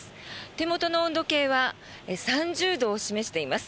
手元の温度計は３０度を示しています。